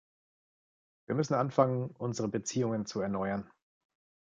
Wir müssen anfangen, unsere Beziehungen zu erneuern.